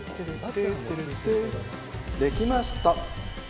できました！